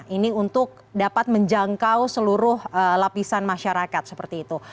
ini untuk dapat menjangkau seluruh lapisan masyarakat seperti itu